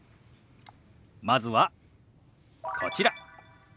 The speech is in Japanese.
まずはこちら。